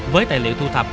với tài liệu thu thập